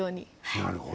なるほど。